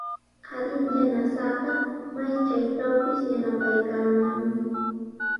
Adin yanasaaqa may chaytrawpis yanapaykamanmi.